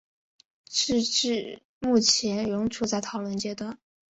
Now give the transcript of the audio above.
直至目前仍处在讨论阶段。